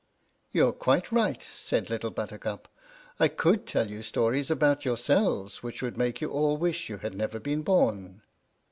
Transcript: "You're quite right," said Little Buttercup; " I could tell you stories about yourselves which would make you all wish you had never been born.